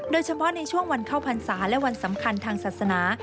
โดยเฉพาะในช่วงวันเข้าพรรษาและวันสำคัญทางศาสนา